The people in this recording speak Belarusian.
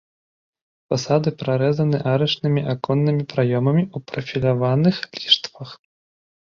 Фасады прарэзаны арачнымі аконнымі праёмамі ў прафіляваных ліштвах.